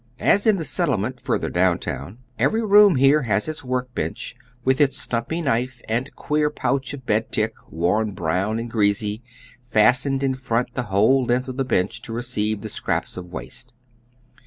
As in the settlement farther down town, every room here has its work bench with its stumpy knife and queer pouch of bed tick, worn brown and greasy, fastened in front the whole length of the bench to receive the scraps of waste.